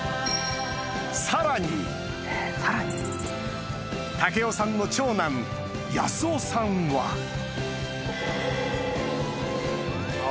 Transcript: さらに赳夫さんの長男康夫さんはえ！